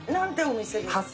お店ですか？